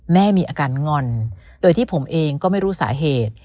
แม่มีอาการงอนโดยที่ผมเองก็ไม่รู้สาเหตุ